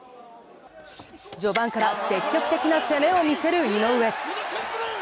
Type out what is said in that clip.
序盤から積極的な攻めを見せる井上。